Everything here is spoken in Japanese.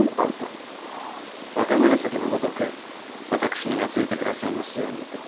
若紫のごとく私に懐いて下さいますようにと。